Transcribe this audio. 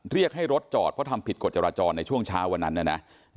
เรียกให้รถจอดเพราะทำผิดกฎจราจรในช่วงเช้าวันนั้นนะ